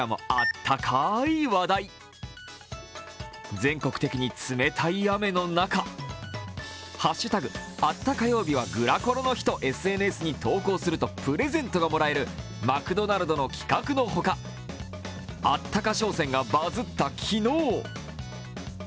全国的に冷たい雨の中、「＃あった火曜日はグラコロの日」とＳＮＳに投稿するとプレゼントがもらえるマクドナルドの企画のほか、あったか商戦がバズった昨日。